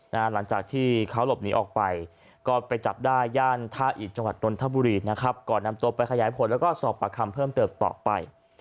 หลังจากที่เขาหลบหนีออกไปก็ไปจับได้ย่านท่าอิดจังหวัดนทบุรีนะครับก่อนนำตัวไปขยายผลแล้วก็สอบประคำเพิ่มเติมต่อไป